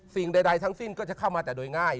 สิ่งใดทั้งสิ้นก็จะเข้ามาแต่โดยง่าย